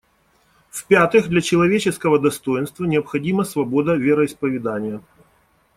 В-пятых, для человеческого достоинства необходима свобода вероисповедания.